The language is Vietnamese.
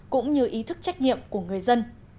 cũng như ý thức trách nhiệm của người dân